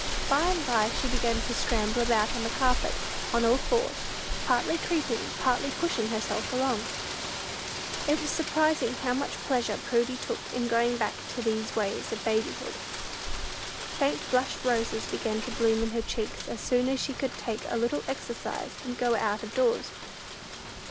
By and by she began to scramble about on the carpet on all fours, partly creeping, partly pushing herself along. It was surprising how much pleasure Prudy took in going back to these ways of babyhood. Faint blush roses began to bloom in her cheeks as soon as she could take a little exercise and go out of doors.